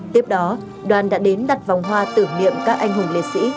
tiếp đó đoàn đã đến đặt vòng hoa tưởng niệm các anh hùng liệt sĩ